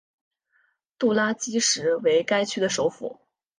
杜拉基什为该区的首府。